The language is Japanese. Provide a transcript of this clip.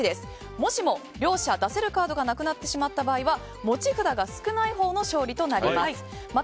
もしも両者出せるカードがなくなってしまった場合は持ち札が少ないほうの勝利となります。